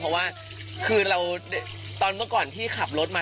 เพราะว่าคือเราตอนเมื่อก่อนที่ขับรถมา